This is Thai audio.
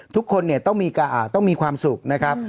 ทุกคนต้องมีกะอ่าต้องมีความสุขนะครับ